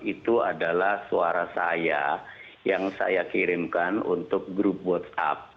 itu adalah suara saya yang saya kirimkan untuk grup whatsapp